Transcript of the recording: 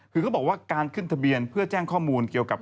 คือเขาบอกว่าการขึ้นทะเบียนเพื่อแจ้งข้อมูลเกี่ยวกับ